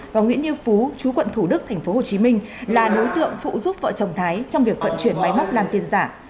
và nguyễn như phú chú quận thủ đức tp hcm là đối tượng phụ giúp vợ chồng thái trong việc vận chuyển máy móc làm tiền giả